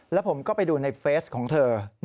แล้วผมก็ไปดูในเฟสของเธอ